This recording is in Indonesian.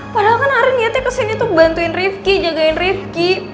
padahal kan arin lihatnya ke sini tuh bantuin rifqi jagain rifqi